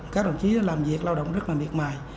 các đồng chí làm việc lao động rất là miệt mài